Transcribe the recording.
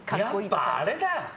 やっぱ、あれだ。